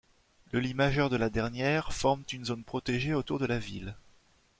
Le lit majeur de la dernière forme une zone protégée autour de la ville.